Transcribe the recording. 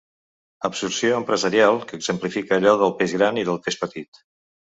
Absorció empresarial que exemplifica allò del peix gran i del peix petit.